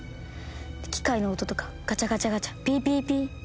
機械の音とかガチャガチャガチャピーピーピー。